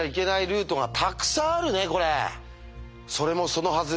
それもそのはず。